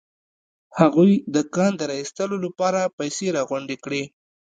هغوی د کان د را ايستلو لپاره پيسې راغونډې کړې.